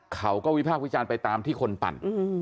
เขาก็วิภาควิจารณ์ไปตามที่คนปั่น